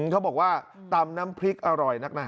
เขาบอกว่าตำน้ำพริกอร่อยนักนะ